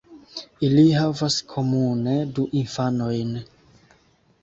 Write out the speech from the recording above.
Ili havas komune du infanojn.